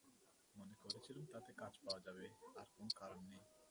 মনে করেছিলুম তাতে কাজ পাওয়া যাবে, আর কোনো কারণ নেই।